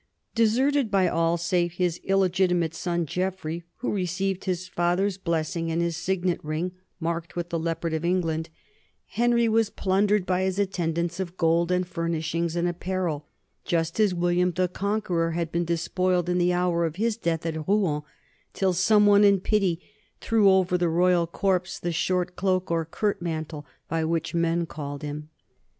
Deserted by all save his illegitimate son Geof frey, who received his father's blessing and his signet ring marked with the leopard of England, Henry was NORMANDY AND FRANCE 117 plundered by his attendants of gold and furnishings and apparel, just as William the Conqueror had been despoiled in the hour of his death at Rouen, till some one in pity threw over the royal corpse the short cloak, or 'curt mantle,' by which men called him.